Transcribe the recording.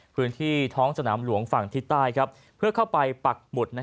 พื้นที่ท้องสนามหลวงฝั่งทิศใต้เพื่อเข้าไปปักหมุด